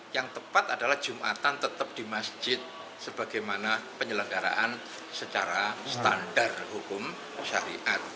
yang tepat adalah jumatan tetap di masjid sebagaimana penyelenggaraan secara standar hukum syariat